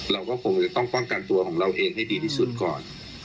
เราก็คงจะต้องป้องกันตัวของเราเองให้ดีที่สุดก่อน